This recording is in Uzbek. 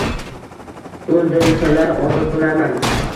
Oʻldirsalar, ozod boʻlarman…”